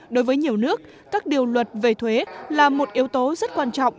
đối với nhiều nước các điều luật về thuế là một yếu tố rất quan trọng